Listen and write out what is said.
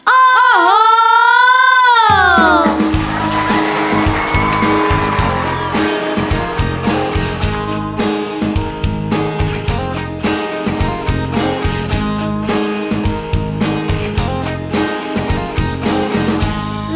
โอ้โห